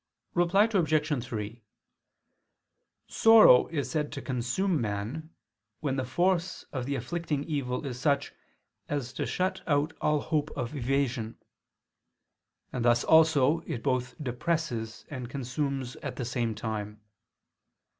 Reply Obj. 3: Sorrow is said to consume man, when the force of the afflicting evil is such as to shut out all hope of evasion: and thus also it both depresses and consumes at the same time.